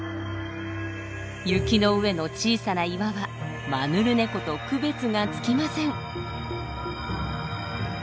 雪の上の小さな岩はマヌルネコと区別がつきません。